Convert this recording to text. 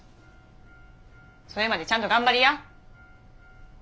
それまでちゃんと頑張りや。